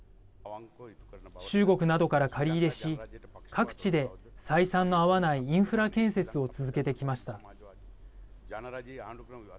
中国などから借り入れし各地で採算の合わないインフラ建設を続けてきました。